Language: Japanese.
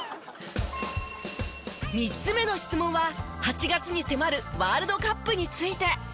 ３つ目の質問は８月に迫るワールドカップについて。